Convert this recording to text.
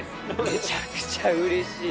めちゃくちゃうれしい。